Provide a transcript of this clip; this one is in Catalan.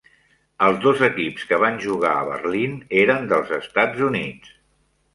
Els dos equips que van jugar a Berlín eren dels Estats Units.